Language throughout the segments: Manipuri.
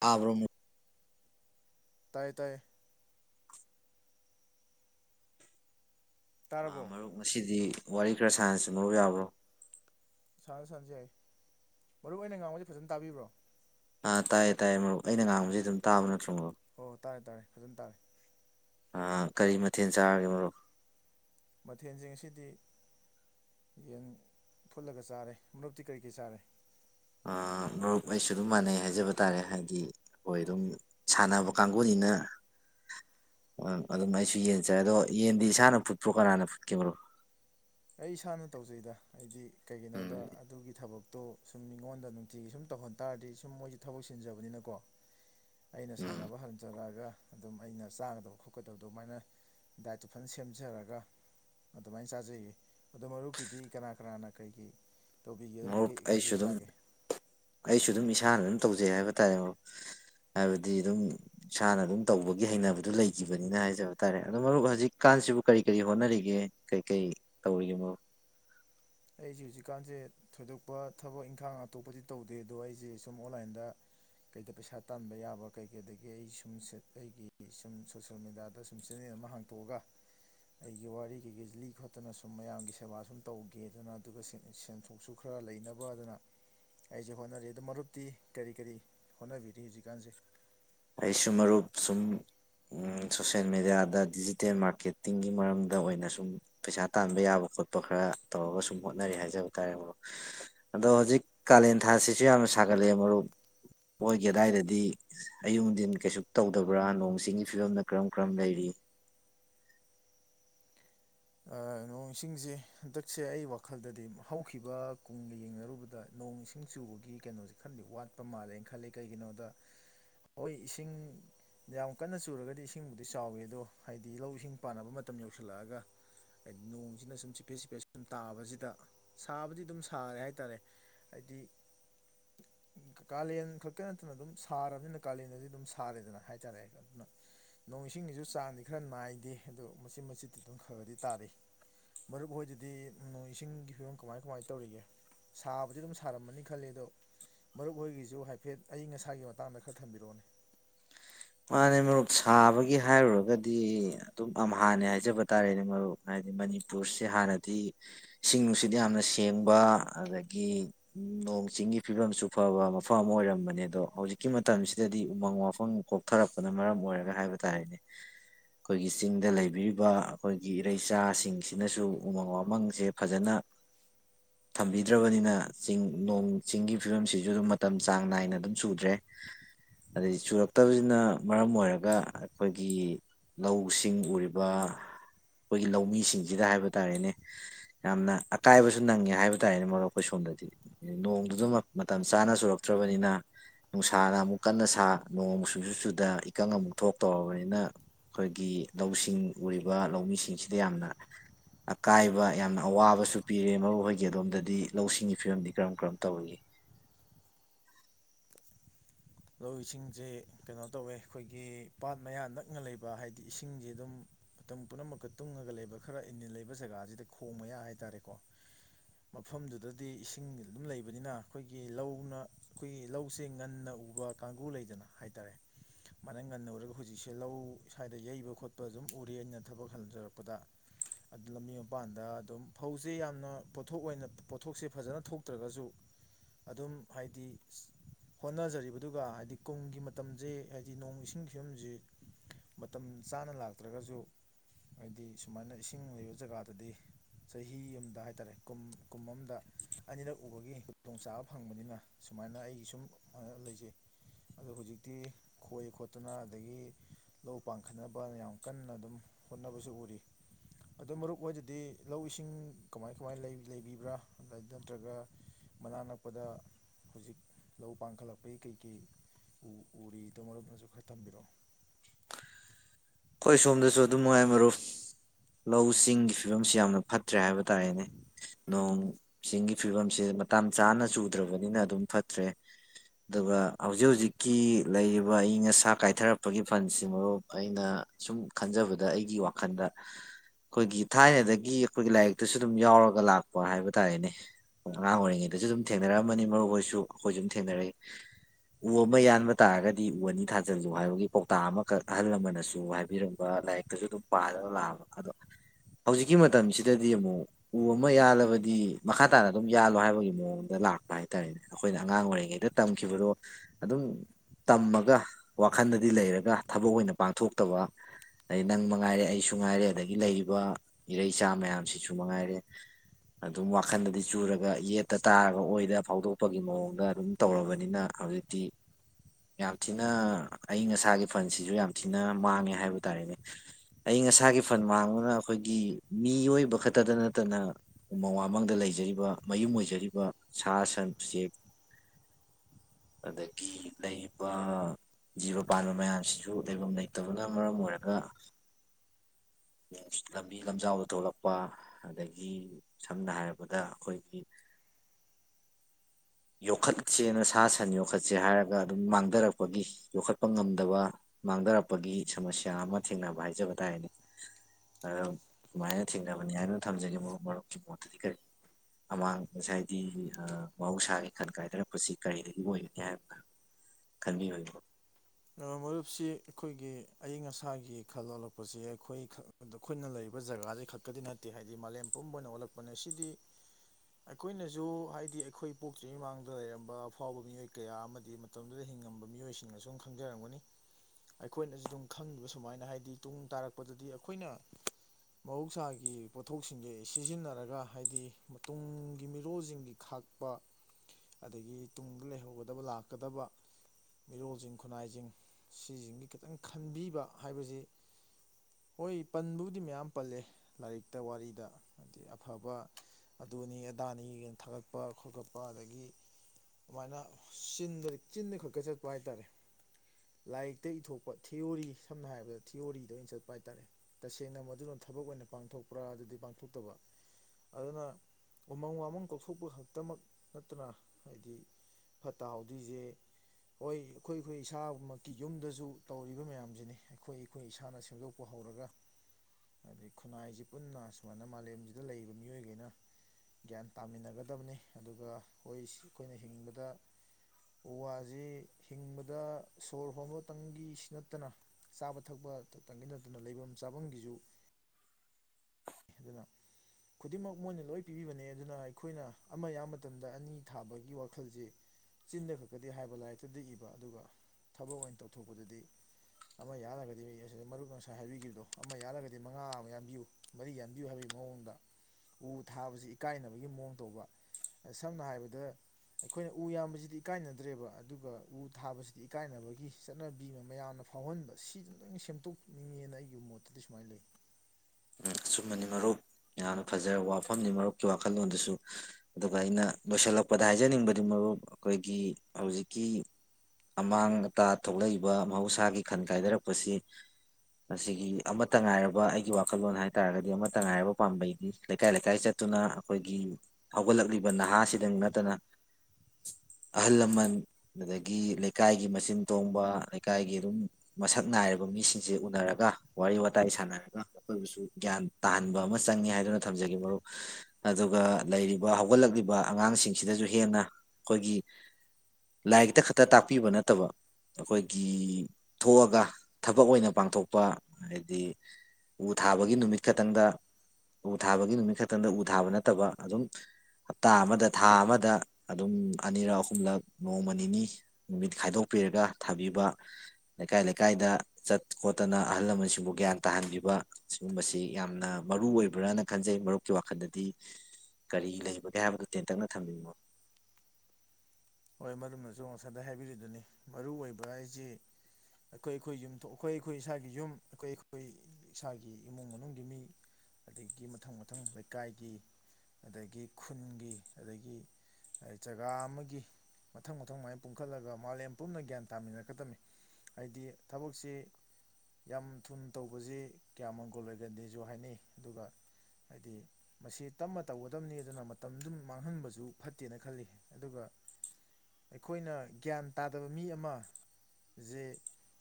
ꯇꯥꯕ꯭ꯔꯣ ꯃꯔꯨꯞ ꯇꯥꯏ ꯇꯥꯏ ꯑꯥ ꯇꯥꯔꯕꯣ ꯃꯔꯨꯞ ꯉꯁꯤꯗꯤ ꯋꯥꯔꯤ ꯈꯔ ꯁꯥꯟꯅꯁꯤ ꯃꯔꯨꯞ ꯌꯥꯕ꯭ꯔꯣ ꯁꯥꯟꯅ ꯁꯥꯟꯅꯁꯤ ꯌꯥꯏ ꯃꯔꯨꯞ ꯑꯩꯅ ꯉꯥꯡꯕꯁꯤ ꯐꯥꯖꯅ ꯇꯥꯕꯤꯕ꯭ꯔꯣ ꯑꯥ ꯇꯥꯏꯌꯦ ꯇꯥꯏꯌꯦ ꯃꯔꯨꯞ ꯑꯩꯅ ꯉꯥꯡꯕꯁꯤ ꯑꯗꯨꯝ ꯇꯥꯕ ꯅꯠꯇ꯭ꯔꯣ ꯍꯣ ꯇꯥꯔꯦ ꯇꯥꯔꯦ ꯐꯥꯖꯅ ꯇꯥꯔꯦ ꯑꯥ ꯀꯔꯤ ꯃꯊꯦꯜ ꯆꯥꯔꯒꯦ ꯃꯔꯨꯞ ꯃꯊꯦꯜꯖꯦ ꯉꯁꯤꯗꯤ ꯌꯦꯟ ꯐꯨꯠꯂꯒ ꯆꯥꯔꯦ ꯃꯔꯨꯞꯇꯤ ꯀꯔꯤ ꯀꯔꯤ ꯆꯥꯔꯦ ꯑꯥ ꯃꯔꯨꯞ ꯑꯩꯁꯨ ꯑꯗꯨꯝ ꯃꯥꯟꯅꯩ ꯍꯥꯏꯖꯕ ꯇꯥꯔꯦ ꯍꯥꯏꯗꯤ ꯍꯣꯏ ꯑꯗꯨꯝ ꯁꯥꯟꯅꯕ ꯀꯥꯡꯒꯨꯅꯤꯅ ꯑꯗꯨꯝ ꯑꯩꯁꯨ ꯌꯦꯟ ꯆꯥꯏ ꯑꯗꯣ ꯌꯦꯟꯗꯤ ꯏꯁꯥꯅ ꯐꯨꯠꯄ꯭ꯔꯣ ꯀꯅꯥꯅ ꯐꯨꯠꯀꯦ ꯃꯔꯨꯞ ꯑꯩ ꯏꯁꯥꯅ ꯇꯧꯖꯩꯗ ꯍꯥꯏꯗꯤ ꯀꯩꯒꯤꯅꯣꯗ ꯎꯝ ꯑꯗꯨꯒꯤ ꯊꯕꯛꯇꯣ ꯁꯨꯝ ꯃꯤꯉꯣꯟꯗ ꯅꯨꯡꯇꯤꯒꯤ ꯁꯨꯝ ꯇꯧꯍꯟ ꯇꯥꯔꯗꯤ ꯁꯨꯝ ꯃꯣꯏꯁꯨ ꯊꯕꯛ ꯆꯤꯟꯖꯕꯅꯤꯅꯀꯣ [inaudible] ꯑꯩꯅ ꯁꯥꯟꯅꯕ ꯍꯟꯖꯔꯛꯑꯒ ꯑꯗꯨꯝ ꯑꯩꯅ ꯆꯥꯒꯗꯕ ꯈꯣꯠꯀꯗꯕꯗꯣ ꯑꯗꯨꯃꯥꯏꯅ ꯗꯥꯏꯠꯇꯨ ꯐꯥꯖꯅ ꯁꯦꯝꯖꯔꯒ ꯑꯗꯨꯃꯥꯏꯅ ꯆꯥꯖꯩꯌꯦ ꯑꯗꯣ ꯃꯔꯨꯞꯀꯤꯗꯤ ꯀꯅꯥ ꯀꯅꯥꯅ ꯀꯩꯒꯤ ꯇꯧꯕꯤꯒꯦ ꯑꯗꯨ ꯃꯔꯨꯞ ꯀꯩ ꯑꯩꯁꯨ ꯀꯩꯀꯩ ꯑꯗꯨꯝ ꯆꯥꯒꯦ ꯑꯩꯁꯨ ꯑꯗꯨꯝ ꯏꯁꯥꯅ ꯑꯗꯨꯝ ꯇꯧꯖꯩ ꯍꯥꯏꯕ ꯇꯥꯔꯦ ꯍꯥꯏꯕꯗꯤ ꯑꯗꯨꯝ ꯏꯁꯥꯅ ꯑꯗꯨꯝ ꯇꯧꯕꯒꯤ ꯍꯩꯅꯕꯗꯨ ꯂꯩꯒꯤꯕꯅꯤꯅ ꯍꯥꯏꯖꯕ ꯇꯥꯔꯦ ꯑꯗꯣ ꯃꯔꯨꯞ ꯍꯧꯖꯤꯛꯀꯥꯟꯁꯤꯕꯨ ꯀꯔꯤ ꯀꯔꯤ ꯍꯣꯠꯅꯔꯤꯒꯦ ꯀꯩꯀꯩ ꯇꯧꯔꯤꯒꯦ ꯃꯔꯨꯞ ꯑꯩꯖꯦ ꯍꯧꯖꯤꯛꯀꯥꯟꯖꯦ ꯊꯣꯏꯗꯣꯛꯄ ꯊꯕꯛ ꯏꯪꯈꯥꯡ ꯑꯇꯣꯞꯄꯗꯤ ꯇꯧꯗꯦ ꯑꯗꯣ ꯑꯩꯖꯦ ꯁꯨꯝ ꯑꯣꯟꯂꯥꯏꯟꯗ ꯀꯩꯗ ꯄꯩꯁꯥ ꯇꯥꯟꯕ ꯌꯥꯕ ꯀꯩꯀꯩꯗꯒꯤ ꯑꯩ ꯁꯨꯝ ꯑꯩꯒꯤ ꯁꯨꯝ ꯁꯣꯁꯦꯜ ꯃꯦꯗꯤꯌꯥꯗ ꯁꯨꯝ ꯆꯦꯟꯅꯦꯜ ꯑꯃ ꯍꯥꯡ ꯗꯣꯛꯑꯒ ꯑꯩꯒꯤ ꯋꯥꯔꯤ ꯀꯩꯀꯩ ꯂꯤ ꯈꯣꯠꯇꯅ ꯁꯨꯝ ꯃꯌꯥꯝꯒꯤ ꯁꯦꯕꯥ ꯁꯨꯝ ꯇꯧ ꯒꯦꯗꯅ ꯑꯗꯨꯒ ꯁꯦꯟ ꯁꯦꯟꯊꯣꯛꯁꯨ ꯈꯔ ꯂꯩꯅꯕꯗꯅ ꯑꯩꯖꯨ ꯍꯣꯠꯅꯔꯤ ꯑꯗ ꯃꯔꯨꯞꯇꯤ ꯀꯔꯤ ꯀꯔꯤ ꯍꯣꯠꯅꯕꯤꯔꯤ ꯍꯧꯖꯤꯛꯀꯥꯟꯖꯦ ꯑꯩꯁꯨꯨ ꯃꯔꯨꯞ ꯁꯨꯝ ꯁꯣꯁꯦꯜ ꯃꯦꯗꯤꯌꯥꯗ ꯗꯤꯖꯤꯇꯦꯜ ꯃꯥꯔꯀꯦꯠꯇꯤꯡꯒꯤ ꯃꯔꯝꯗ ꯑꯣꯏꯅ ꯁꯨꯝ ꯄꯩꯁꯥ ꯇꯥꯟꯕ ꯌꯥꯕ ꯈꯣꯠꯄ ꯈꯔ ꯇꯧꯔꯒ ꯁꯨꯝ ꯍꯣꯠꯅꯔꯤ ꯍꯥꯏꯖꯕ ꯇꯥꯔꯦ ꯃꯔꯨꯞ ꯑꯗꯣ ꯍꯧꯖꯤꯛ ꯀꯥꯂꯦꯟ ꯊꯥꯁꯤꯁꯨ ꯌꯥꯝꯅ ꯁꯥꯒꯠꯂꯛꯑꯦ ꯃꯔꯨꯞ ꯃꯣꯏꯒꯤ ꯑꯗꯥꯏꯗꯗꯤ ꯑꯌꯨꯛ ꯅꯨꯡꯊꯤꯟ ꯀꯩꯁꯨ ꯇꯧꯗꯕ꯭ꯔꯥ ꯅꯣꯡ ꯁꯤꯡꯒꯤ ꯐꯤꯕꯝꯅ ꯀꯔꯝ ꯀꯔꯝ ꯂꯩꯔꯤ ꯅꯣꯡ ꯏꯁꯤꯡꯖꯦ ꯍꯟꯗꯛꯁꯦ ꯑꯩ ꯋꯥꯈꯜꯗꯗꯤ ꯍꯧꯈꯤꯕ ꯀꯨꯡꯒ ꯌꯦꯡꯅꯔꯨꯕꯗ ꯅꯣꯡ ꯏꯁꯤꯡ ꯏꯁꯤꯡ ꯆꯨꯕꯒꯤ ꯀꯩꯅꯣꯁꯦ ꯈꯟꯗꯤ ꯋꯥꯠꯄ ꯃꯥꯜꯂꯦꯅ ꯈꯜꯂꯦ ꯀꯩꯒꯤꯅꯣꯗ ꯍꯣꯏ ꯏꯁꯤꯡ ꯌꯥꯝ ꯀꯟꯅ ꯆꯨꯔꯒꯗꯤ ꯏꯁꯤꯡꯕꯨꯗꯤ ꯆꯥꯎꯋꯤ ꯑꯗꯣ ꯍꯥꯏꯗꯤ ꯂꯧ ꯏꯁꯤꯡ ꯄꯥꯟꯅꯕ ꯃꯇꯝ ꯌꯧꯁꯤꯜꯂꯛꯑꯒ ꯍꯥꯏꯗꯤ ꯅꯣꯡꯁꯤꯅ ꯁꯨꯝ ꯆꯤꯐꯦꯠ ꯆꯤꯐꯦꯠ ꯁꯨꯝ ꯇꯥꯕꯖꯤꯗ ꯁꯥꯕꯗꯤ ꯑꯗꯨꯝ ꯁꯥꯔꯦ ꯍꯥꯏꯇꯥꯔꯦ ꯍꯥꯏꯗꯤ [inaudible] ꯀꯥꯂꯦꯟ ꯈꯛꯇ ꯅꯠꯇꯅ ꯑꯗꯨꯝ ꯁꯥꯔꯕꯅꯤꯅ ꯀꯥꯂꯦꯟꯗꯗꯤ ꯑꯗꯨꯝ ꯁꯥꯔꯦꯗꯅ ꯍꯥꯏꯇꯥꯔꯦ ꯑꯗꯨꯅ ꯅꯣꯡ ꯏꯁꯤꯡꯖꯤꯖꯨ ꯆꯥꯡꯗꯤ ꯈꯔ ꯅꯥꯏꯗꯦ ꯑꯗꯨ ꯃꯆꯤꯠ ꯃꯆꯤꯠꯇꯤ ꯑꯗꯨꯝ ꯈꯔ ꯈꯔꯗꯤ ꯇꯥꯔꯤ ꯃꯔꯨꯞ ꯍꯣꯏꯗꯗꯤ ꯅꯣꯡ ꯏꯁꯤꯡꯒꯤ ꯐꯤꯕꯝ ꯀꯃꯥꯏ ꯀꯃꯥꯏꯅ ꯇꯧꯔꯤꯒꯦ ꯁꯥꯕꯗꯤ ꯑꯗꯨꯝ ꯁꯥꯔꯝꯃꯅꯤ ꯈꯜꯂꯤ ꯑꯗꯣ ꯃꯔꯨꯞ ꯍꯣꯏꯒꯤꯁꯨ ꯍꯥꯏꯐꯦꯠ ꯑꯏꯪ ꯑꯁꯥꯒꯤ ꯃꯇꯥꯡꯗ ꯈꯔ ꯊꯝꯕꯤꯔꯛꯑꯣꯅꯦ ꯃꯥꯅꯦ ꯃꯔꯨꯞ ꯁꯥꯕꯒꯤ ꯍꯥꯏꯔꯨꯔꯒꯗꯤ ꯑꯗꯨꯝ ꯑꯝ ꯍꯥꯟꯅꯦ ꯍꯥꯏꯖꯕ ꯇꯥꯔꯦꯅꯦ ꯃꯔꯨꯞ ꯍꯥꯏꯗꯤ ꯃꯅꯤꯄꯨꯔꯁꯦ ꯍꯥꯟꯅꯗꯤ ꯏꯁꯤꯡ ꯅꯨꯡꯁꯤꯠ ꯌꯥꯝꯅ ꯁꯦꯡꯕ ꯑꯗꯒꯤ ꯅꯣꯡ ꯆꯤꯡꯒꯤ ꯐꯤꯕꯝꯁꯨ ꯐꯕ ꯃꯐꯝ ꯑꯃ ꯑꯣꯏꯔꯝꯕꯅꯦ ꯑꯗꯣ ꯍꯧꯖꯤꯛꯀꯤ ꯃꯇꯝꯁꯤꯗꯗꯤ ꯎꯃꯪ ꯋꯥꯐꯪ ꯀꯣꯛ ꯊꯔꯛꯄꯅ ꯃꯔꯝ ꯑꯣꯏꯔꯒ ꯍꯥꯏꯕ ꯇꯥꯔꯦꯅꯦ ꯈꯣꯏꯒꯤ ꯆꯤꯡꯗ ꯂꯩꯕꯤꯔꯤꯕ ꯑꯈꯣꯏꯒꯤ ꯏꯔꯩꯆꯥꯁꯤꯡꯁꯤꯅꯁꯨ ꯎꯃꯪ ꯋꯥꯃꯪꯁꯦ ꯐꯖꯅ [inaudible] ꯊꯝꯕꯤꯗ꯭ꯔꯕꯅꯤꯅ ꯆꯤꯡ ꯅꯣꯡ ꯆꯤꯡꯒꯤ ꯐꯤꯕꯝꯁꯤꯁꯨ ꯑꯗꯨꯝ ꯃꯇꯝ ꯆꯥꯡ ꯅꯥꯏꯅ ꯑꯗꯨꯝ ꯆꯨꯗ꯭ꯔꯦ ꯑꯗꯩ ꯆꯨꯔꯛꯇꯕ ꯅ ꯃꯔꯝ ꯑꯣꯏꯔꯒ ꯑꯩꯈꯣꯏꯒꯤ ꯂꯧꯁꯤꯡ ꯎꯔꯤꯕ ꯈꯣꯏꯒꯤ ꯂꯧꯃꯤꯁꯤꯡꯁꯤꯗ ꯍꯥꯏꯕ ꯇꯥꯔꯦꯅꯦ ꯌꯥꯝꯅ ꯑꯀꯥꯏꯕꯁꯨ ꯅꯪꯉꯦ ꯍꯥꯏꯕ ꯇꯥꯔꯦꯅꯦ ꯃꯔꯨꯞ ꯈꯣꯏ ꯁꯣꯝꯗꯗꯤ ꯅꯣꯡꯗꯨꯖꯨ ꯃꯇꯝ ꯆꯥꯅ ꯆꯨꯔꯛꯇ꯭ꯔꯕꯅꯤꯅ ꯅꯨꯡꯁꯥꯅ ꯑꯃꯨꯛ ꯀꯟꯅ ꯁꯥ ꯅꯣꯡ ꯖꯨꯆꯨꯗ ꯏꯀꯪ ꯑꯃꯨꯛ ꯊꯣꯛ ꯇꯧꯔꯕꯅꯤꯅ ꯈꯣꯏꯒꯤ ꯂꯧꯁꯤꯡ ꯎꯔꯤꯕ ꯂꯧꯃꯤꯁꯤꯡꯁꯤꯗ ꯌꯥꯝꯅ ꯑꯀꯥꯏꯕ ꯌꯥꯝꯅ ꯑꯋꯥꯕꯁꯨ ꯄꯤꯔꯦ ꯃꯔꯨꯞ ꯍꯣꯏꯒꯤ ꯑꯗꯣꯝꯗꯗꯤ ꯂꯧꯁꯤꯡꯒꯤ ꯐꯤꯕꯝꯗꯤ ꯀꯔꯝ ꯀꯔꯝ ꯇꯧꯔꯤ ꯂꯧ ꯏꯁꯤꯡꯁꯦ ꯀꯩꯅꯣ ꯇꯧꯋꯦ ꯈꯣꯏꯒꯤ ꯄꯥꯠ ꯃꯌꯥ ꯅꯛꯅ ꯂꯩꯕ ꯍꯥꯏꯗꯤ ꯏꯁꯤꯡꯖ‌ꯦ ꯑꯗꯨꯝ ꯃꯇꯝ ꯄꯨꯝꯅꯃꯀ ꯇꯨꯡꯉꯒ ꯂꯩꯕ ꯈꯔ ꯏꯟꯅꯤꯜ ꯂꯩꯕ ꯖꯒꯥꯁꯤꯗ ꯈꯣꯡ ꯃꯌꯥ ꯍꯥꯏꯇꯥꯥꯔꯦꯀꯣ ꯃꯐꯝꯗꯨꯗꯗꯤ ꯏꯁꯤꯡ ꯑꯗꯨꯝ ꯂꯩꯕꯅꯤꯅ ꯈꯣꯏꯒꯤ ꯂꯧꯅ ꯈꯣꯏꯒꯤ ꯂꯧꯁꯦ ꯉꯟꯅ ꯎꯕ ꯀꯥꯡꯒꯨ ꯂꯩꯗꯅ ꯍꯥꯏꯇꯥꯔꯦ ꯃꯅꯪ ꯉꯟꯅ ꯎꯔꯒ ꯍꯧꯖꯤꯛꯁꯦ ꯂꯧ ꯁ꯭ꯋꯥꯏꯗ ꯌꯩꯕ ꯈꯣꯠꯄ ꯑꯗꯨꯝ ꯎꯔꯤ ꯑꯩꯅ ꯊꯕꯛ ꯍꯟꯖꯔꯛꯄꯗ ꯑꯗꯨ ꯂꯝꯕꯤ ꯃꯄꯥꯟꯗ ꯑꯗꯨꯝ ꯐꯧꯁꯦ ꯌꯥꯝꯅ ꯄꯣꯊꯣꯛ ꯑꯣꯏꯅ ꯄꯣꯠꯊꯣꯛꯁꯦ ꯐꯖꯅ ꯊꯣꯛꯇ꯭ꯔꯒꯁꯨ ꯑꯗꯨꯝ ꯍꯥꯏꯗꯤ ꯍꯣꯠꯅꯖꯔꯤꯕ ꯑꯗꯨꯒ ꯍꯥꯏꯗꯤ ꯀꯨꯝꯒꯤ ꯃꯇꯝꯁꯦ ꯍꯥꯏꯗꯤ ꯅꯣꯡ ꯏꯁꯤꯡ ꯐꯤꯕꯝꯁꯤ ꯃꯇꯝ ꯆꯥꯅ ꯂꯥꯛ ꯇ꯭ꯔꯒꯁꯨ ꯍꯥꯏꯗꯤ ꯁꯨꯃꯥꯏꯅ ꯏꯁꯤꯡ ꯂꯩꯕ ꯖꯒꯥꯗꯗꯤ ꯆꯍꯤ ꯑꯃꯗ ꯍꯥꯏꯇꯥꯔꯦ ꯀꯨꯝ ꯀꯨꯝ ꯑꯃꯗ ꯑꯅꯤꯔꯛ ꯎꯕꯒꯤ ꯈꯨꯗꯣꯡꯆꯥꯕ ꯐꯪꯕꯅꯤꯅ ꯁꯨꯃꯥꯏꯅ ꯑꯩꯒꯤ ꯁꯨꯝ ꯑ ꯂꯩꯖꯩ ꯑꯗ‌ꯣ ꯍꯨꯖꯤꯛꯇꯤ ꯈꯣꯏ ꯈꯣꯠꯇꯅ ꯑꯗꯒꯤ ꯂꯧ ꯄꯥꯡꯈꯠꯅꯕꯅ ꯌꯥꯝ ꯀꯟꯅ ꯑꯗꯨꯝ ꯍꯣꯠꯅꯕꯁꯨ ꯎꯔꯤ ꯑꯗꯨ ꯃꯔꯨꯞ ꯑꯣꯏꯗꯗꯤ ꯂꯧ ꯏꯁꯤꯡ ꯀꯃꯥꯏ ꯀꯃꯥꯏ ꯂꯩꯕꯤꯕ꯭ꯔꯥ ꯅꯠꯇ꯭ꯔꯒ ꯃꯅꯥꯛ ꯅꯛꯄꯗ ꯍꯨꯖꯤꯛ ꯂꯧ ꯄꯥꯡꯈꯠꯂꯛꯄꯒꯤ ꯀꯩ ꯀ‌ꯦ ꯎ ꯎꯔꯤꯗ‌ꯣ ꯃꯔꯣꯞꯅꯁꯨ ꯈꯔ ꯊꯝꯕꯤꯔꯛꯑꯣ ꯈ‌ꯣꯏ ꯁꯣꯝꯗꯁꯨ ꯑꯗꯨꯃꯉꯥꯏ ꯃꯔꯨꯞ ꯂꯧꯁꯤꯡꯒꯤ ꯐꯤꯕꯝꯁꯤ ꯌꯥꯝꯅ ꯐꯠꯇ꯭ꯔꯦ ꯍꯥꯏꯕ ꯇꯥꯔꯦꯅꯦ ꯅꯣꯡ ꯆꯤꯡꯒꯤ ꯐꯤꯕꯝꯁꯦ ꯃꯇꯥꯡ ꯆꯥꯅ ꯆꯨꯗ꯭ꯔꯕꯅꯤꯅ ꯑꯗꯨꯝ ꯐꯠꯇ꯭ꯔꯦ ꯗꯨꯒ ꯍꯧꯖꯤꯛ ꯍꯧꯖꯤꯛ ꯀꯤ ꯂꯩꯔꯤꯕ ꯑꯏꯪ ꯑꯁꯥ ꯀꯥꯏꯊꯔꯛꯄꯒꯤ ꯐꯟꯁꯤ ꯃꯔꯨꯞ ꯑꯩꯅ ꯁꯨꯝ ꯈꯟꯖꯕꯗ ꯑꯩꯒꯤ ꯋꯥꯈꯟꯗ ꯈꯣꯏꯒꯤ ꯊꯥꯏꯅꯗꯒꯤ ꯈꯣꯏꯒꯤ ꯂꯥꯏꯔꯤꯛꯇꯁꯨ ꯑꯗꯨꯝ ꯌꯥꯎꯔꯒ ꯂꯥꯛ ꯀꯣ ꯍꯥꯏꯕ ꯇꯥꯔꯦꯅꯦ ꯑꯉꯥꯡ ꯑꯣꯏꯔꯤꯉꯩꯗꯁꯨ ꯗꯨꯝ ꯊꯦꯡꯅꯔꯛꯑꯃꯅꯤ ꯃꯔꯨꯞ ꯍ‌ꯣꯏꯁꯨ ꯈꯣꯏꯁꯨ ꯗꯨꯝ ꯊꯦꯡꯅꯔꯛꯏ ꯎ ꯑꯃ ꯌꯥꯟꯕ ꯇꯥꯔꯒꯗꯤ ꯎ ꯑꯅꯤ ꯊꯥꯖꯜꯂꯨ ꯍꯥꯏꯕꯒꯤ ꯄꯧꯇꯥꯛ ꯑꯃꯈꯛ ꯑꯍꯜ ꯂꯃꯟꯅꯁꯨ ꯍꯥꯏꯕ ꯕꯤꯔꯝꯕ ꯂꯥꯏꯔꯤꯛꯇꯁꯨ ꯑꯗꯨꯝ ꯄꯥꯔꯒ ꯂꯥꯛꯑꯕ ꯑꯗꯣ ꯍꯧꯖꯤꯛꯀꯤ ꯃꯇꯝꯁꯤꯗꯗꯤ ꯑꯃꯨꯛ ꯎ ꯑꯃ ꯌꯥꯜꯂꯕꯗꯤ ꯃꯈꯥ ꯇꯥꯅ ꯗꯨꯝ ꯌꯥꯜꯂꯣ ꯍꯥꯏꯕꯒꯤ ꯃꯑꯣꯡꯗ ꯂꯥꯛꯄ ꯍꯥꯏꯇꯥꯔꯦꯅꯦ ꯑꯈꯣꯏꯅ ꯑꯉꯥꯡ ꯑꯣꯏꯔꯤꯉꯩꯗ ꯇꯝꯈꯤꯕꯗꯣ ꯑꯗꯨꯝ ꯇꯝꯃꯒ ꯋꯥꯈꯟꯗꯗꯤ ꯂꯩꯔꯒ ꯊꯕꯛ ꯑꯣꯏꯅ ꯄꯥꯡꯊꯣꯛꯇꯕ ꯗꯩ ꯅꯪ ꯃꯉꯥꯏꯔꯦ ꯑꯩꯁꯨ ꯉꯥꯏꯔꯦ ꯑꯗꯒꯤ ꯂꯩꯔꯤꯕ ꯏꯔꯩꯆꯥ ꯃꯌꯥꯝꯁꯤꯁꯨ ꯃꯉꯥꯏꯔꯦ ꯑꯗꯨꯝ ꯋꯥꯈꯟꯗꯗꯤ ꯆꯨꯔꯒ ꯌꯦꯠꯇ ꯇꯥꯔꯒ ꯑꯣꯏꯗ ꯐꯥꯎꯗꯣꯛꯄꯒꯤ ꯃꯑꯣꯡꯗ ꯑꯗꯨꯝ ꯇꯧꯔꯕꯅꯤꯅ ꯍꯧꯖꯤꯛ ꯇꯤ ꯌꯥꯝ ꯊꯤꯅ ꯑꯌꯤꯡ ꯑꯁꯥꯒꯤ ꯐꯟꯁꯤꯁꯨ ꯌꯥꯝ ꯊꯤꯅ ꯃꯥꯡꯉꯦ ꯍꯥꯏꯕ ꯍꯥꯏꯕ ꯇꯥꯔꯦꯅꯦ ꯑꯏꯪ ꯑꯁꯥꯒꯤ ꯐꯟ ꯃꯥꯡꯕꯅ ꯑꯩꯈꯣꯏꯒꯤ ꯃꯤꯑꯣꯏꯕ ꯈꯛꯇꯗ ꯅꯠꯇꯅ ꯎꯃꯪ ꯋꯥꯃꯥꯡꯗ ꯂꯩꯖꯔꯤꯕ ꯃꯌꯨꯝ ꯑꯣꯏꯖꯔꯤꯕ ꯁꯥ ꯁꯟ ꯎꯆꯦꯛ ꯑꯗꯒꯤ ꯂꯩꯔꯤꯕ ꯖꯤꯕ ꯄꯥꯟꯕ ꯃꯌꯥꯝꯁꯤꯁꯨ ꯂꯩꯐꯝ ꯂꯩꯇꯕꯅ ꯃꯔꯝ ꯑꯣꯏꯔꯒ ꯂꯝꯕꯤ ꯂꯝꯖꯥꯎꯗ ꯊꯣꯛꯂꯛꯄ ꯑꯗꯒꯤ ꯁꯝꯅ ꯍꯥꯏꯔꯕꯗ ꯑꯩꯈꯣꯏꯒꯤ ꯌꯣꯈꯠꯁꯦꯅ ꯁꯥ ꯁꯟ ꯌꯣꯈꯠꯁꯦ ꯍꯥꯏꯔꯒ ꯑꯗꯨꯝ ꯃꯥꯡꯊꯔꯛꯄꯒꯤ ꯌꯣꯈꯠꯄ ꯉꯝꯗꯕ ꯃꯥꯡꯊꯔꯛꯄꯒꯤ ꯁꯃꯁ꯭ꯌꯥ ꯑꯃ ꯊꯦꯡꯅꯕ ꯍꯥꯏꯖꯕ ꯇꯥꯔꯦꯅꯦ ꯑꯗꫭ ꯁꯨꯃꯥꯏꯅ ꯊꯦꯡꯅꯕꯅꯤ ꯍꯥꯏꯗꯨꯅ ꯊꯝꯖꯒꯦ ꯃꯔꯨꯞ ꯃꯔꯨꯞꯒꯤ ꯃꯣꯠꯇꯗꯤ ꯀꯔꯤ ꯑꯃꯥꯡ ꯉꯁꯥꯏꯗꯤ ꯃꯍꯧꯁꯥꯒꯤ ꯈꯟ ꯀꯥꯏꯗꯅꯛ ꯄꯨꯠꯁꯤ ꯀꯔꯤꯗꯒꯤ ꯑꯣꯏꯒꯅꯤ ꯍꯥꯏꯕꯅ ꯈꯟꯕꯤꯕꯒꯦ ꯑ ꯃꯔꯨꯞꯁꯤ ꯑꯩꯈꯣꯏꯒꯤ ꯑꯏꯪ ꯑꯁꯥꯒꯤ ꯈꯜ ꯑꯣꯜꯂꯛꯄꯁꯤ ꯑꯩꯈꯣꯏ ꯈꯜ ꯑꯗ ꯑꯩꯈꯣꯏꯅ ꯂꯩꯔꯤꯕ ꯖꯒꯥꯁꯤ ꯈꯛꯇꯗꯤ ꯅꯠꯇꯦ ꯍꯥꯏꯗꯤ ꯃꯥꯂꯦꯝ ꯄꯨꯝꯕ ꯑꯣꯏꯅ ꯑꯣꯜꯂꯛꯄꯅꯦ ꯁꯤꯗꯤ ꯑꯩꯈꯣꯏꯅꯁꯨ ꯍꯥꯏꯗꯤ ꯑꯩꯈꯣꯏ ꯄꯣꯛꯇ꯭ꯔꯤꯉꯩ ꯃꯥꯡꯗ ꯂꯩꯔꯝꯕ ꯑꯐꯥꯎꯕ ꯃꯤꯑꯣꯏ ꯀꯌꯥ ꯑꯃꯗꯤ ꯃꯇꯝꯗꯨꯗ ꯍꯤꯡꯉꯝꯕ ꯃꯤꯑꯣꯏꯁꯤꯡꯅ ꯁꯨꯝ ꯈꯪꯖꯔꯝꯒꯅꯤ ꯑꯩꯈꯣꯏꯅꯁꯨ ꯑꯗꯨꯝ ꯈꯪꯉꯤꯕ ꯁꯨꯃꯥꯏꯅ ꯍꯥꯏꯗꯤ ꯇꯨꯡ ꯇꯥꯔꯛꯄꯗꯗꯤ ꯑꯩꯈꯣꯏꯅ ꯃꯍꯧꯁꯥꯒꯤ ꯄꯣꯠꯊꯣꯛꯁꯤꯡꯁꯦ ꯁꯤꯖꯤꯟꯅꯔꯒ ꯍꯥꯏꯗꯤ ꯃꯇꯨꯡꯒꯤ ꯃꯤꯔꯣꯜꯁꯤꯡꯒꯤ ꯈꯥꯛ ꯑꯗꯒꯤ ꯇꯨꯡꯗ ꯂꯩꯍꯧꯒꯗꯕ ꯂꯥꯛꯀꯗꯕ ꯃꯤꯔꯣꯜꯁꯤꯡ ꯈꯨꯟꯅꯥꯏꯁꯤꯡ ꯁꯤꯁꯤꯡꯒꯤ ꯈꯤꯇꯪ ꯈꯟꯕꯤꯕ ꯍꯥꯏꯕꯁꯤ ꯍꯣꯏ ꯄꯟꯕꯕꯨꯗꯤ ꯃꯌꯥꯝ ꯄꯜꯂꯦ ꯂꯥꯏꯔꯤꯛꯇ ꯋꯥꯔꯤꯗ ꯍꯥꯏꯗꯤ ꯑꯐꯕ ꯑꯗꯨꯅꯤ ꯑꯗꯥꯅꯤꯒꯥꯏ ꯊꯥꯒꯠꯄ ꯈꯣꯀꯠꯄ ꯑꯗꯒꯤ ꯑꯗꯨꯃꯥꯏꯅ ꯆꯤꯟꯗꯗꯤ ꯆꯤꯟꯗ ꯈꯛꯇ ꯆꯠꯄ ꯍꯥꯏꯇꯥꯔꯦ ꯂꯥꯏꯔꯤꯛꯇ ꯏꯊꯣꯛꯄ ꯊꯤꯑꯣꯔꯤ ꯁꯝꯅ ꯍꯥꯏꯔꯕꯗ ꯊꯤꯑꯣꯔꯤꯗ ꯑꫭꯏꯅ ꯆꯠꯄ ꯍꯥꯏꯇꯥꯔꯦ ꯇꯁꯦꯡꯅ ꯃꯗꯨꯅ ꯊꯕꯛ ꯑꯣꯏꯅ ꯄꯥꯡꯊꯣꯛꯄ꯭ꯔꯥ ꯑꯗꯨꯗꯤ ꯄꯥꯡꯊꯣꯛꯇꯕ ꯑꯗꯨꯅ ꯎꯃꯪ ꯋꯥꯃꯪ ꯀꯣꯛꯊꯣꯛꯄ ꯈꯛꯇꯃꯛ ꯅꯠꯇꯅ ꯍꯥꯏꯗꯤ ꯐꯠꯇ ꯍꯥꯎꯗꯣꯏꯁꯦ ꯍꯣꯏ ꯑꯩꯈꯣꯏ ꯑꯩꯈꯣꯏ ꯏꯁꯥꯃꯛꯀꯤ ꯌꯨꯝꯗꯁꯨ ꯇꯧꯔꯤꯕ ꯃꯌꯥꯝꯁꯤꯅꯤ ꯑꯩꯈꯣꯏ ꯑꯩꯈꯣꯏ ꯏꯁꯥꯅ ꯁꯦꯝꯗꯣꯛꯄ ꯍꯧꯔꯒ ꯍꯥꯏꯗꯤ ꯈꯨꯟꯅꯥꯏꯁꯤ ꯄꯨꯟꯅ ꯁꯨꯃꯥꯏꯅ ꯃꯥꯂꯦꯝꯁꯤꯗ ꯂꯩꯔꯤꯕ ꯃꯤꯑꯣꯏꯈꯩꯅ ꯒ꯭ꯌꯥꯟ ꯇꯥꯃꯤꯟꯅꯒꯗꯕꯅꯤ ꯑꯗꯨꯒꯍ ꯍꫭꯏ ꯑꯩꯈꯣꯏꯅ ꯍꯤꯡꯕꯗ ꯎ ꯋꯥꯁꯤ ꯍꯤꯡꯕꯗ ꯁꯣꯔ ꯍꯣꯟꯕꯇꯪꯒꯤ ꯅꯠꯇꯅ ꯆꯥꯕ ꯊꯛꯄ ꯇꯪꯒꯤ ꯅꯗꯨꯅ ꯂꯩꯐꯝ ꯆꯥꯐꯝꯒꯤꯁꯨ ꯑꯗꯨꯅ ꯈꯨꯗꯤꯡꯃꯛ ꯃꯣꯏꯅ ꯂꯣꯏ ꯄꯤꯕꯤꯕꯅꯦ ꯑꯗꯨꯅ ꯑꯩꯈꯣꯏꯅ ꯑꯃ ꯌꯥꯝꯌꯥꯝꯕ ꯃꯇꯝꯗ ꯑꯅꯤ ꯊꯥꯕꯒꯤ ꯋꯥꯈꯜꯁꯦ ꯆꯤꯟꯗ ꯈꯛꯇꯗꯤ ꯍꯥꯏꯕ ꯂꯥꯏꯔꯤꯛꯇꯗꯤ ꯏꯕ ꯑꯗꯨꯒ ꯊꯕꯛ ꯑꯣꯏꯅ ꯇꯧꯊꯣꯛꯄꯗꯗꯤ ꯑꯃ ꯌꯥꯜꯂꯒꯗꯤ ꯃꯤ ꯃꯔꯨꯞ ꯉꯁꯥꯏ ꯍꯥꯏꯕꯤꯈꯤꯕꯗꯣ ꯑꯃ ꯌꯥꯜꯂꯒꯗꯤ ꯃꯉꯥꯃꯨꯛ ꯌꯥꯟꯕꯤꯌꯨ ꯃꯔꯤ ꯌꯥꯟꯕꯤꯌꯨ ꯍꯥꯏꯕꯒꯤ ꯃꯑꯣꯡꯗ ꯎ ꯊꯥꯕꯁꯤ ꯏꯀꯥꯏꯅꯕꯒꯤ ꯃꯑꯣꯡ ꯇꯧꯕ ꯁꯝꯅ ꯍꯥꯏꯔꯕꯗ ꯑꯩꯈꯣꯏꯅ ꯎ ꯌꯥꯟꯕꯁꯤꯗꯤ ꯏꯀꯥꯏꯅꯗ꯭ꯔꯦꯕ ꯑꯗꯨꯒ ꯎ ꯊꯥꯕꯁꯤꯗ ꯏꯀꯥꯏꯅꯕꯒꯤ ꯆꯠꯅꯕꯤ ꯑꯃ ꯃꯌꯥꯝꯅ ꯐꯥꯎꯍꯟꯕ ꯁꯤꯖꯤꯝꯇꯪ ꯁꯦꯝꯗꯣꯛꯅꯤꯡꯉꯦꯅ ꯑꯩꯒꯤ ꯃꯣꯠꯇꯗꯤ ꯁꯨꯃꯥꯏꯅ ꯂꯩ ꯎꯝ ꯑꯆꯨꯝꯕꯅꯤ ꯃꯔꯨꯞ ꯌꯥꯝꯅ ꯐꯖꯔꯕ ꯋꯥꯐꯝꯅꯤ ꯃꯔꯨꯞꯀꯤ ꯋꯥꯈꯜꯂꯣꯟꯗꯨꯁꯨ ꯑꯗꯨꯒ ꯑꯩꯅ ꯂꯣꯏꯁꯤꯜꯂꯛꯄꯗ ꯍꯥꯏꯖꯅꯤꯡꯕꯗꯤ ꯃꯔꯨꯞ ꯑꯩꯈꯣꯏꯒꯤ ꯍꯧꯖꯤꯛꯀꯤ ꯑꯃꯥꯡ ꯑꯇꯥ ꯊꯣꯛꯂꯛꯏꯕ ꯃꯍꯧꯁꯥꯒꯤ ꯈꯟ ꯀꯥꯏꯊꯔꯛꯄꯁꯤ ꯑꯁꯤꯒꯤ ꯑꯃꯠꯇ ꯉꯥꯏꯔꯕ ꯑꯩꯒꯤ ꯋꯥ ꯋꯥꯈꯜꯂꯣꯟ ꯍꯥꯏꯇꯥꯥꯔꯒꯗꯤ ꯑꯃꯠꯇ ꯉꯥꯏꯔꯕ ꯄꯥꯝꯕꯩꯗꯤ ꯂꯩꯀꯥꯏ ꯂꯩꯀꯥꯏ ꯆꯠꯇꯨꯅ ꯑꯩꯈꯣꯏꯒꯤ ꯍꯧꯒꯠꯂꯛꯂꯤꯕ ꯅꯍꯥꯁꯤꯗꯪ ꯅꯠꯇꯅ ꯑꯍꯜ ꯂꯃꯟ ꯑꯗꯨꯗꯒꯤ ꯂꯩꯀꯥꯏꯒꯤ ꯃꯆꯤꯟ ꯇꯣꯡꯕ ꯂꯩꯀꯥꯏꯒꯤ ꯑꯗꯨꯝ ꯃꯁꯛ ꯅꯥꯏꯔꯕ ꯃꯤꯁꯤꯡꯁꯦ ꯎꯅꯔꯒ ꯋꯥꯔꯤ ꯋꯥꯇꯥꯏ ꯁꯥꯟꯅꯔꯒ꯫ ꯑꯩꯈꯣꯏꯕꯨꯁꯨ ꯒ꯭ꯌꯥꯟ ꯇꯥꯍꯟꯕ ꯑꯃ ꯆꯪꯉꯦ ꯍꯥꯏꯗꯨꯅ ꯊꯝꯖꯒꯦ ꯃꯔꯨꯞ꯫ ꯑꯗꯨꯒ ꯂꯩꯔꯤꯕ ꯍꯧꯒꯠꯂꯛꯂꯤꯕ ꯑꯉꯥꯡꯁꯤꯡꯁꯤꯗꯁꯨ ꯍꯦꯟꯅ ꯑꯩꯈꯣꯏꯒꯤ ꯂꯥꯏꯔꯤꯛꯇ ꯈꯛꯇ ꯇꯥꯛꯄꯤꯕ ꯅꯠꯇꯕ꯫ ꯑꯩꯈꯣꯏꯒꯤ ꯊꯣꯛꯑꯒ ꯊꯕꯛ ꯑꯣꯏꯅ ꯄꯥꯡꯊꯣꯛꯄ ꯍꯥꯏꯗꯤ ꯎ ꯊꯥꯕꯒꯤ ꯅꯨꯃꯤꯠ ꯈꯛꯇꯪꯗ ꯎ ꯊꯥꯕꯒꯤ ꯅꯨꯃꯤꯠ ꯈꯛꯇꯪꯗ ꯎ ꯊꯥꯕ ꯅꯠꯇꯕ ꯑꯗꯨꯝ ꯍꯞꯇꯥ ꯑꯃꯗ ꯊꯥ ꯑꯃꯗ ꯑꯗꯨꯝ ꯑꯅꯤꯔꯛ ꯑꯍꯨꯝꯂꯛ ꯅꯣꯡꯃ ꯅꯤꯅꯤ ꯅꯨꯃꯤꯠ ꯈꯥꯏꯗꯣꯛꯄꯤꯔꯒ ꯊꯥꯕꯤꯕ꯫ ꯂꯩꯀꯥꯏ ꯂꯩꯀꯥꯏꯗ ꯆꯠ ꯈꯣꯠꯇꯅ ꯑꯍꯜ ꯂꯃꯟꯁꯤꯡꯕꯨ ꯒ꯭ꯌꯥꯟ ꯇꯥꯍꯟꯕꯤꯕ꯫ ꯁꯤꯒꯨꯝꯕꯁꯤ ꯌꯥꯝꯅ ꯃꯔꯨ ꯑꯣꯏꯕ꯭ꯔꯅ ꯈꯟꯖꯩ ꯃꯔꯨꯞꯀꯤ ꯋꯥꯈꯟꯗꯗꯤ ꯀꯔꯤ ꯂꯩꯕꯒꯦ ꯍꯥꯏꯕꯗꯨ ꯇꯦꯟꯇꯛꯅ ꯊꯝꯕꯤꯌꯨ ꯃꯔꯨꯞ꯫ ꯍꯣꯏ ꯃꯔꯝꯅꯁꯨ ꯉꯁꯥꯏꯗꯩ ꯍꯥꯏꯕꯤꯔꯤꯗꯨꯅꯤ ꯃꯔꯨ ꯑꯣꯏꯕ ꯍꯥꯏꯁꯤ ꯑꯩꯈꯣꯏ ꯑꯩꯈꯣꯏ ꯌꯨꯝꯊꯣ ꯑꯩꯈꯣꯏ ꯑꯩꯈꯣꯏ ꯏꯁꯥꯒꯤ ꯌꯨꯝ ꯑꯩꯈꯣꯏ ꯑꯩꯈꯣꯏ ꯒꯤ ꯏꯁꯥꯒꯤ ꯏꯃꯨꯡ ꯃꯅꯨꯡꯒꯤ ꯃꯤ ꯑꯗꯒꯤ ꯃꯊꯪ ꯃꯊꯪ ꯂꯩꯀꯥꯏꯒꯤ ꯑꯗꯒꯤ ꯈꯨꯟꯒꯤ ꯑꯗꯒꯤ ꯖꯒꯥ ꯑꯃꯒꯤ ꯃꯊꯪ ꯃꯊꯪ ꯑꯗꯨꯃꯥꯏꯅ ꯄꯨꯟꯈꯠꯂꯒ ꯃꯥꯂꯦꯝ ꯄꯨꯝꯅ ꯒ꯭ꯌꯥꯟ ꯇꯥꯃꯤꯟꯅꯔꯛꯀꯗꯝꯅꯤ꯫ ꯍꯥꯏꯗꯤ ꯊꯕꯛꯁꯤ ꯌꯥꯝ ꯊꯨꯅ ꯇꯧꯕꯁꯤ ꯀꯌꯥ ꯃꯥꯡꯒꯣꯜ ꯑꯣꯏꯒꯟꯗꯦꯁꯨ ꯍꯥꯏꯅꯩ ꯑꯗꯨꯒ ꯍꯥꯏꯗꯤ ꯃꯁꯤ ꯇꯞꯅ ꯇꯧꯒꯗꯝꯅꯤ ꯑꯗꯨꯅ ꯃꯇꯝ ꯑꯗꯨꯝ ꯃꯥꯡꯍꯟꯕꯁꯨ ꯐꯠꯇꯦꯅ ꯈꯜꯂꯤ ꯑꯗꯨꯒ ꯑꯩꯈꯣꯏꯅ ꯒ꯭ꯌꯥꯟ ꯇꯥꯗꯕ ꯃꯤ ꯑꯃ ꯁꯦ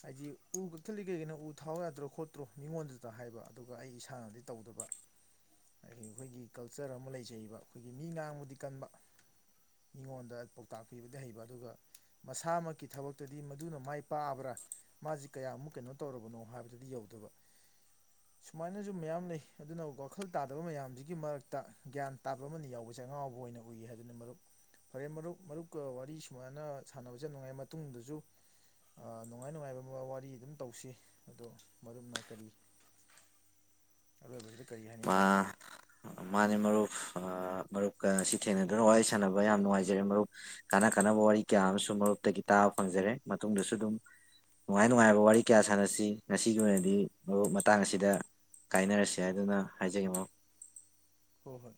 ꯍꯥꯏꯗꯤ ꯎ ꯀꯛꯊꯠꯂꯤ ꯀꯩꯒꯤꯅꯣ ꯎ ꯊꯥꯎ ꯌꯥꯗ꯭ꯔꯣ ꯈꯣꯠꯇ꯭ꯔꯣ ꯃꯤꯉꯣꯟꯗꯨꯗꯇ ꯍꯥꯏꯕ ꯑꯗꯨꯒ ꯑꯩ ꯏꯁꯥꯅꯗꯤ ꯇꯧꯗꯕ [inaudible] ꯑꯩꯈꯣꯏꯒꯤ ꯀꯜꯆꯔ ꯑꯃ ꯂꯩꯖꯩꯕ ꯑꯩꯈꯣꯏꯒꯤ ꯃꯤ ꯉꯥꯡꯕꯗꯤ ꯀꯟꯕ ꯃꯤꯉꯣꯟꯗ ꯄꯧ ꯇꯥꯛ ꯄꯤꯕꯗꯤ ꯍꯩꯕ ꯑꯗꯨꯒ ꯃꯁꯥꯃꯛꯀꯤ ꯊꯕꯛꯇꯗꯤ ꯃꯗꯨꯅ ꯃꯥꯏ ꯄꯥꯛꯑꯕ꯭ꯔꯥ ꯃꯥꯁꯤ ꯀꯌꯥꯃꯨꯛ ꯀꯩꯅꯣ ꯇꯧꯔꯕꯅꯣ ꯍꯥꯏꯕꯗꯗꯤ ꯌꯧꯗꯕ꯫ [inaudible] ꯁꯨꯃꯥꯏꯅꯁꯨ ꯃꯌꯥꯝ ꯂꯩ ꯑꯗꯨꯅ ꯋꯥꯈꯜ ꯇꯥꯗꯕ ꯃꯌꯥꯝꯁꯤꯒꯤ ꯃꯔꯛꯇ ꯒ꯭ꯌꯥꯟ ꯇꯥꯕ ꯑꯃꯅꯤ ꯌꯥꯎꯕꯁꯦ ꯑꯉꯥꯎꯕ ꯑꯣꯏꯅ ꯎꯏ ꯍꯥꯏꯗꯨꯅꯦ ꯃꯔꯨꯞ ꯐꯔꯦ ꯃꯔꯨꯞ ꯃꯔꯨꯞꯀ ꯋꯥꯔꯤ ꯁꯨꯃꯥꯏꯅ ꯁꯥꯟꯅꯕꯁꯦ ꯌꯥꯝ ꯅꯨꯡꯉꯥꯏ ꯃꯇꯨꯡꯗꯁꯨ ꯑ ꯅꯨꯡꯉꯥꯏ ꯅꯨꯡꯉꯥꯏꯕ ꯃ-ꯋꯥꯔꯤ ꯑꯗꯨꯝ ꯇꯧꯁꯤ ꯑꯗꯣ ꯃꯔꯨꯞꯅ ꯀꯔꯤ [inaudible] ꯑꯔꯣꯏꯕꯁꯤꯗ ꯀꯔꯤ ꯃꯥ ꯍꯥꯏꯅꯤꯡꯕ꯫ ꯃꯥꯅꯦ ꯃꯔꯨꯞ ꯑ ꯃꯔꯨꯞꯀ ꯉꯁꯤ ꯊꯦꯡꯅꯗꯨꯅ ꯋꯥꯔꯤ ꯁꯥꯟꯅꯕ ꯌꯥꯝ ꯅꯨꯡꯉꯥꯏꯖꯔꯦ ꯃꯔꯨꯞ꯫ ꯀꯥꯟꯅ ꯀꯥꯟꯅꯕ ꯋꯥꯔꯤ ꯀꯌꯥ ꯑꯃꯁꯨ ꯃꯔꯨꯞꯇꯒꯤ ꯇꯥꯕ ꯐꯪꯖꯔꯦ ꯃꯇꯨꯡꯗꯁꯨ ꯑꯗꯨꯝ ꯅꯨꯡꯉꯥꯏ ꯅꯨꯡꯉꯥꯏꯕ ꯋꯥꯔꯤ ꯀꯌꯥ ꯁꯥꯟꯅꯁꯤ ꯉꯁꯤꯒꯤ ꯑꯣꯏꯅꯗꯤ ꯃꯔꯨꯞ ꯃꯇꯥꯡ ꯑꯁꯤꯗ ꯀꯥꯏꯅꯔꯁꯦ ꯍꯥꯏꯗꯨꯅ ꯍꯥꯏꯖꯒꯤ ꯃꯔꯨꯞ꯫ ꯍꯣ ꯍꯣꯏ꯫